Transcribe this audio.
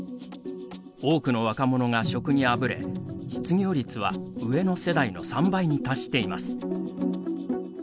多くの若者が職にあぶれ失業率は、上の世代の３倍に達しています。